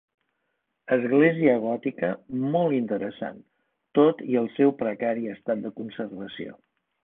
Església gòtica molt interessant, tot i el seu precari estat de conservació.